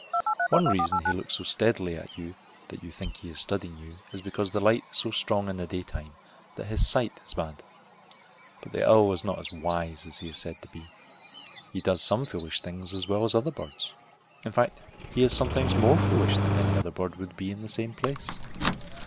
One reason he looks so steadily at you that you think he is studying you is because the light is so strong in the daytime that his sight is bad. But the owl is not as wise as he is said to be. He does some foolish things as well as other birds. In fact he is sometimes more foolish than any other bird would be in the same place.